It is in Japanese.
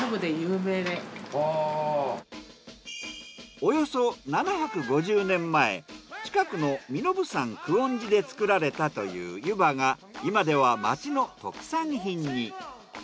およそ７５０年前近くの身延山久遠寺で作られたというゆばが今では町の特産品に。